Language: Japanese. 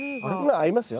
合いますよ。